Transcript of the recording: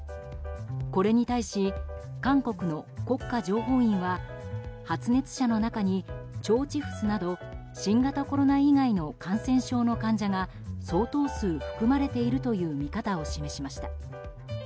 これに対し、韓国の国家情報院は発熱者の中に腸チフスなど新型コロナ以外の感染症の患者が相当数含まれているという見方を示しました。